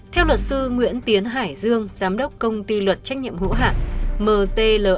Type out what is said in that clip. theo luật sư nguyễn tiến hải dương giám đốc công ty luật trách nhiệm hữu hạng